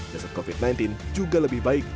jasad covid sembilan belas juga lebih baik